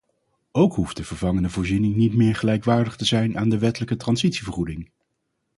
Ook hoeft de vervangende voorziening niet meer gelijkwaardig te zijn aan de wettelijke transitievergoeding.